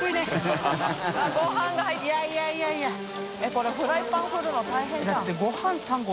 これフライパン振るの大変じゃん。